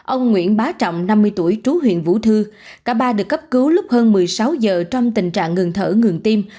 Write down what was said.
ông nguyễn bá trọng năm mươi tuổi trú huyện vũ thư cả ba được cấp cứu lúc hơn một mươi sáu giờ trong tình trạng ngừng thở ngừng tim